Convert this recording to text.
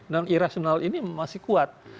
dan irasional ini masih kuat